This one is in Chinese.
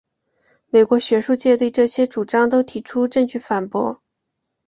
美国学术界对这些主张都提出证据反驳。